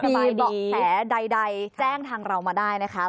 สบายดีบอกแผลใดแจ้งทางเรามาได้นะคะ